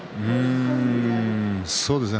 そうですね。